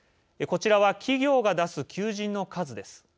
こちらは企業が出す求人の数です。